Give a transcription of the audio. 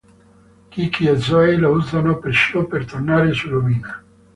Kiki e Zoey la usano perciò per tornare su Lumina.